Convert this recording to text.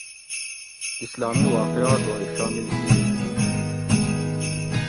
اسلامی واقعات اوئے شامل کِیت